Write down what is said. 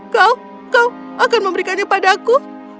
kau kau akan memberikannya padaku